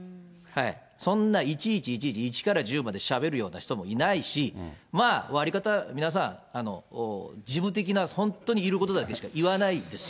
そんないちいちいちいち、１から１０までしゃべるような人もいないし、まあ、わりかた、皆さん、事務的な、本当にいることだけしか言わないですよ。